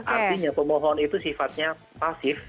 artinya pemohon itu sifatnya pasif